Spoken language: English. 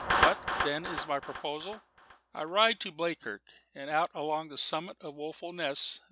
What, then, is my proposal? I ride to Bleakirk and out along the summit of Woeful Ness.